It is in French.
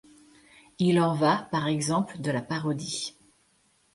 Il en va par exemple de la parodie.